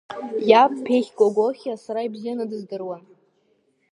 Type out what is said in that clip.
Иаб Ԥехь Гогохиа сара ибзианы дыздыруан.